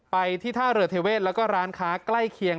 ไปที่ท่าเรือเทเวศแล้วก็ร้านค้าใกล้เคียง